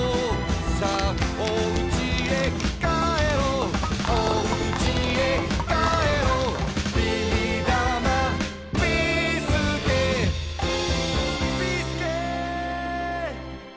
「さあおうちへ帰ろう」「おうちへ帰ろう」「ビーだまビーすけ」「」おお！